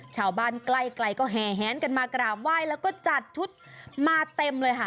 ชาวบ้านใกล้ก็แห่แหนกันมากราบไหว้แล้วก็จัดชุดมาเต็มเลยค่ะ